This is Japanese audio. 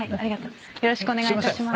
よろしくお願いします。